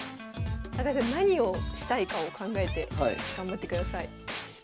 高橋さん何をしたいかを考えて頑張ってください。